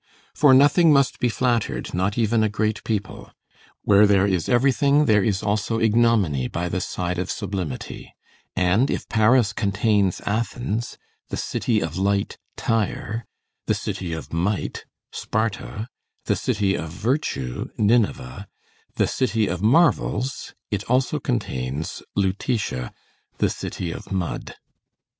For nothing must be flattered, not even a great people; where there is everything there is also ignominy by the side of sublimity; and, if Paris contains Athens, the city of light, Tyre, the city of might, Sparta, the city of virtue, Nineveh, the city of marvels, it also contains Lutetia, the city of mud.